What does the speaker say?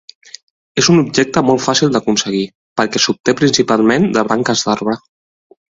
És un objecte molt fàcil d'aconseguir, perquè s'obté principalment de branques d'arbre.